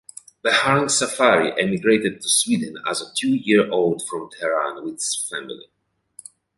Behrang Safari emigrated to Sweden as a two-year-old from Tehran with his family.